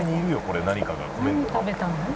これ何かがコメントが」